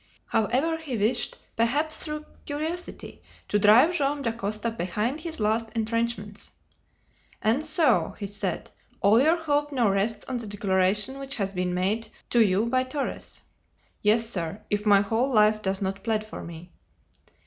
However, he wished, perhaps through curiosity, to drive Joam Dacosta behind his last entrenchments. "And so," he said, "all your hope now rests on the declaration which has been made to you by Torres." "Yes, sir, if my whole life does not plead for me."